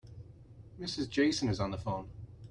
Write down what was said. Mrs. Jason is on the phone.